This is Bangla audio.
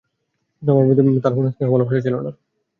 কিন্তু আমার প্রতি তোমার কোন স্নেহ-ভালোবাসা ছিলো না।